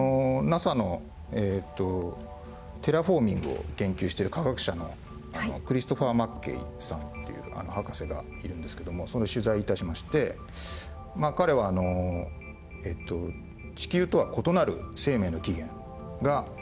ＮＡＳＡのテラフォーミングを研究してる科学者のクリストファー・マッケイさんっていう博士がいるんですけども取材致しましてまあ彼はえっと地球とは異なる生命の起源が存在するかもしれない。